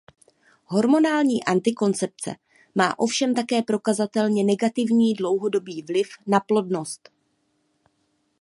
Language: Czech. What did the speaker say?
Hormonální antikoncepce má ovšem také prokazatelně negativní dlouhodobý vliv na plodnost.